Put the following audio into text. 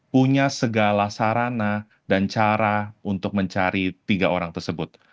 punya segala sarana dan cara untuk mencari tiga orang tersebut